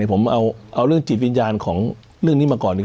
ผมเอาเรื่องจิตวิญญาณของเรื่องนี้มาก่อน